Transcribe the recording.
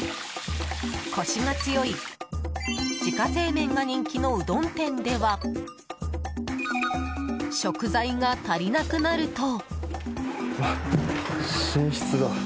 コシが強い自家製麺が人気のうどん店では食材が足りなくなると。